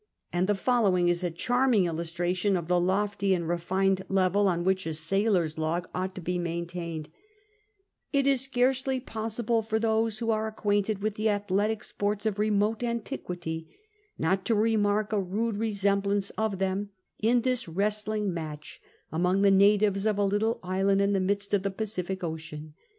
And the following is a charming illustration of the lofty and refined level on which a sailor's log ought to be main tained: "It is scarcely possible for those who are ac quainted with the athletic sports of remote antiquity not to remark a nide resemblance of them in this wrestling match among the natives of a little island in the midst of the Pacific Ocean.